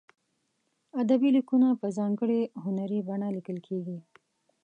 ادبي لیکونه په ځانګړې هنري بڼه لیکل کیږي.